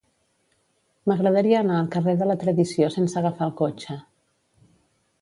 M'agradaria anar al carrer de la Tradició sense agafar el cotxe.